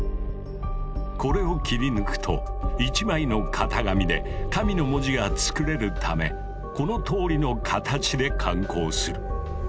これを切り抜くと１枚の型紙で「神」の文字が作れるためこのとおりの形で感光する。